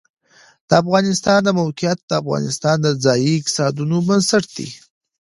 د افغانستان د موقعیت د افغانستان د ځایي اقتصادونو بنسټ دی.